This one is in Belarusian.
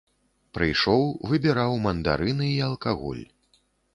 Прыйшоў, выбіраў мандарыны і алкаголь.